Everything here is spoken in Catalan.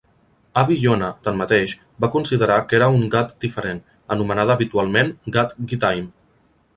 Avi-Yonah, tanmateix, va considerar que era una Gat diferent, anomenada habitualment Gat-Gittaim.